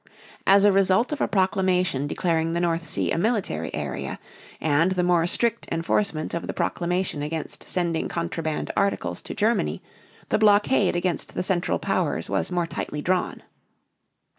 As a result of a proclamation declaring the North Sea a military area, and the more strict enforcement of the proclamation against sending contraband articles to Germany, the blockade against the Central Powers was more tightly drawn.